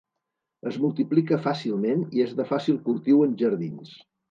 Es multiplica fàcilment i és de fàcil cultiu en jardins.